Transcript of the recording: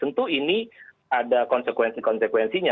tentu ini ada konsekuensi konsekuensinya